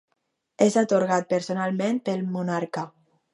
És atorgat personalment pel Monarca.